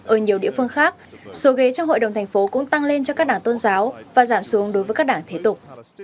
ở nhiều địa phương khác số ghế trong hội đồng thành phố cũng tăng lên cho các đảng tôn giáo và giảm xuống đối với các đảng thể tục